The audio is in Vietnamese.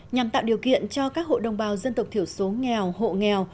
nhằm tạo điều kiện cho các hộ đồng bào dân tộc thiểu số nghèo hộ nghèo